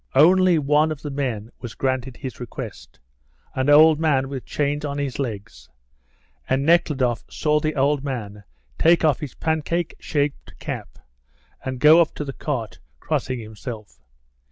Only one of the men was granted his request an old man with chains on his legs; and Nekhludoff saw the old man take off his pancake shaped cap, and go up to the cart crossing himself.